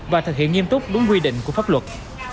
và thực hiện nghiêm túc đúng quy định của pháp luật